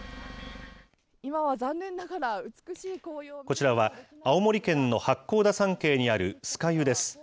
こちらは青森県の八甲田山系にある酸ヶ湯です。